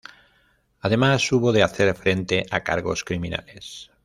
Además, hubo de hacer frente a cargos criminales.